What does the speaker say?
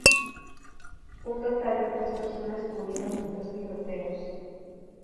Un total de tres personas murieron en dos tiroteos.